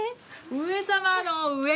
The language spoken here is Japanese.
上様の上？